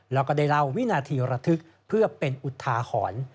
แล้วก็ได้เล่าวินาทีระทึกเพื่อเป็นอุทาหรณ์